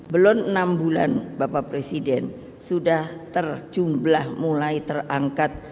belum enam bulan bapak presiden sudah terjumlah mulai terangkat